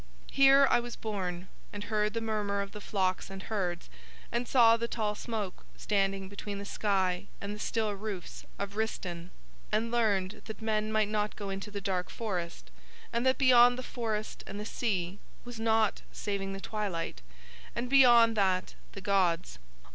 "Here I was born, and heard the murmur of the flocks and herds, and saw the tall smoke standing between the sky and the still roofs of Rhistaun, and learned that men might not go into the dark forest, and that beyond the forest and the sea was nought saving the twilight, and beyond that the gods.